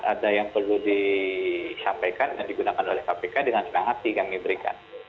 ada yang perlu disampaikan dan digunakan oleh kpk dengan senang hati kami berikan